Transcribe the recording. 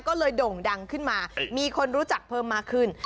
ก็เลยโด่งดังขึ้นมามีคนรู้จักเพิ่มมากขึ้น